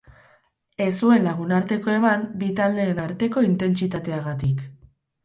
Ez zuen lagunarteko eman, bi taldeen arteko intentsitateagatik.